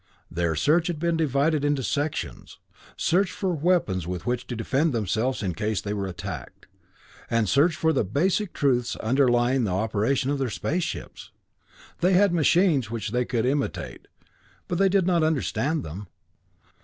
Their search had been divided into sections, search for weapons with which to defend themselves in case they were attacked, and search for the basic principles underlying the operation of their space ships. They had machines which they could imitate, but they did not understand them.